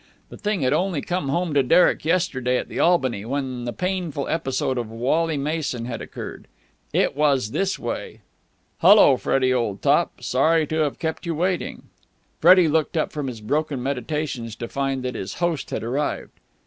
The thing had only come home to Derek yesterday at the Albany, when the painful episode of Wally Mason had occurred. It was this way.... "Hullo, Freddie, old top! Sorry to have kept you waiting." Freddie looked up from his broken meditations, to find that his host had arrived.